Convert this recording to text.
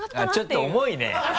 ちょっと重いね。